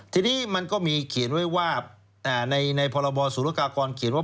ทีนี้มันก็มีเขียนไว้ว่าในพบศกเขียนว่า